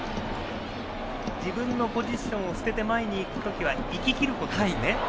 自分のポジションを捨てて前に行く時は行き切るということですね。